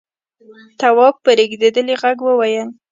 تواب په رېږدېدلي غږ وويل: